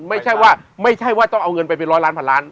ไม่ใช่ว่าไม่ใช่ว่าต้องเอาเงินไปเป็นร้อยล้านพันล้าน